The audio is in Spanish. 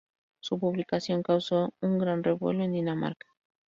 Su publicación causó un gran revuelo en Dinamarca.